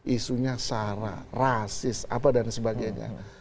isunya sara rasis apa dan sebagainya